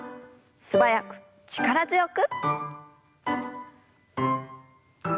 素早く力強く。